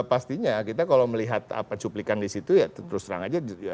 pastinya kita kalau melihat cuplikan di situ ya terus terang aja